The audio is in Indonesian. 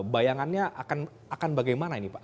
bayangannya akan bagaimana ini pak